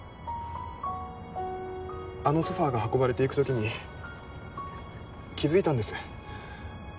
あのソファーが運ばれていくときに気づいたんです